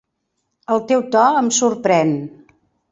El teu to em sorprèn.